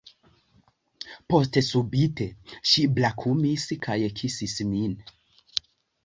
Poste subite ŝi brakumis kaj kisis min.